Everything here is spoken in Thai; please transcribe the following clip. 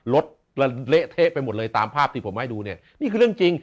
รถเละเทะไปหมดเลยตามภาพที่ผมให้ดูเนี่ยนี่คือเรื่องจริง